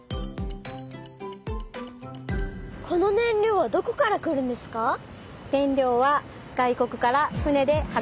この燃料はどこから来るんですか？